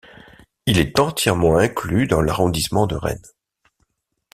Il est entièrement inclus dans l'arrondissement de Rennes.